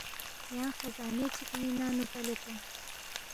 یانگ خزانے چِک ن٘ی ننگ نُو کلے تونگ